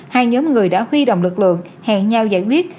hai nhóm người đã huy động lực lượng hẹn nhau giải quyết